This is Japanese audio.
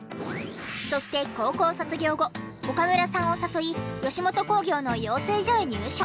そして高校卒業後岡村さんを誘い吉本興業の養成所へ入所。